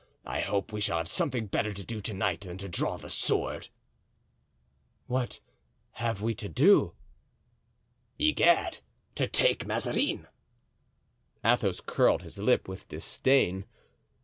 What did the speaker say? I hope we shall have something better to do to night than to draw the sword." "What have we to do?" "Egad! to take Mazarin." Athos curled his lip with disdain.